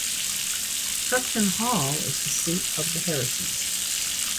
Cruckton Hall is the seat of the Harrieses.